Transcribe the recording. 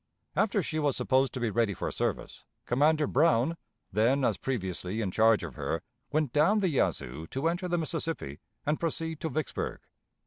After she was supposed to be ready for service, Commander Brown, then as previously in charge of her, went down the Yazoo to enter the Mississippi and proceed to Vicksburg.